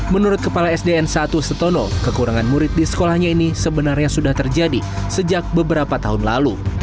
menurut kepala sdn satu setono kekurangan murid di sekolahnya ini sebenarnya sudah terjadi sejak beberapa tahun lalu